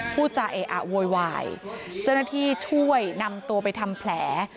พูดจาเออะโวยวายเจ้าหน้าที่ช่วยนำตัวไปทำแผล